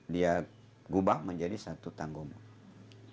dia gubah menjadi satu tanggungan